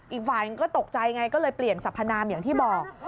อีกฝ่ายหนึ่งก็ตกใจไงก็เลยเปลี่ยนสรรพนามอย่างที่บอก